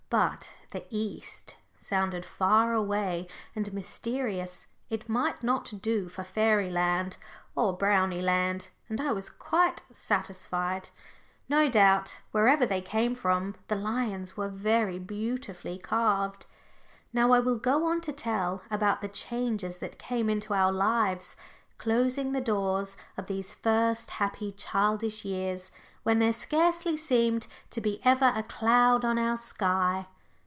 But "the East" sounded far away and mysterious it might do for fairyland or brownieland, and I was quite satisfied. No doubt, wherever they came from, the lions were very beautifully carved. Now I will go on to tell about the changes that came into our lives, closing the doors of these first happy childish years, when there scarcely seemed to be ever a cloud on our sky.